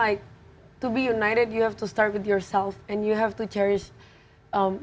anda harus mulai dengan diri sendiri dan anda harus menghargai perbedaan